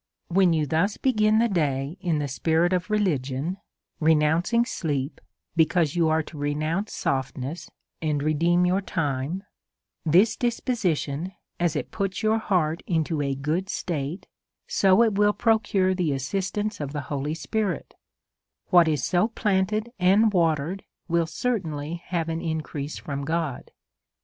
When you thus begin the day in the spirit of renouncing sleep, because you are to renounce softness, and redeem your time ; this disposition, as it puts your heart in a good state, so it will procure the assistance of the Holy Spi rit; what is so planted and watered Avill certainly have an increase from God.